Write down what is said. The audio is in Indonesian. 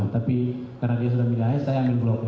tapi karena dia sudah milih hs saya ambil glock ini